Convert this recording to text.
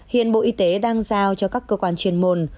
hiện bộ y tế đang giao cho các cơ quan chuyên môn